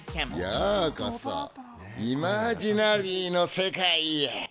ようこそ、イマジナリーの世界へ。